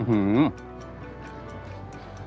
อื้อหือ